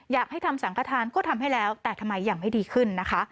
อยากให้ทำสังขทานก็ทำให้แล้วแต่ทำไมยังไม่ดีขึ้นนะคะ